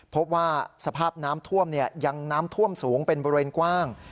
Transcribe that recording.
พบว่าสภาพน้ำท่วมยังน้ำท่วมสูงเป็นบริเวณกว้าง